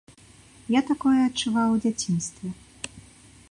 Я такое адчуваў у дзяцінстве.